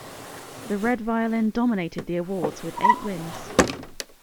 "The Red Violin" dominated the awards, with eight wins.